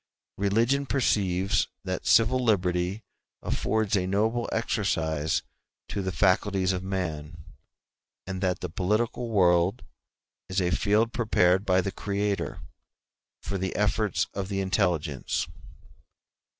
Religion perceives that civil liberty affords a noble exercise to the faculties of man, and that the political world is a field prepared by the Creator for the efforts of the intelligence.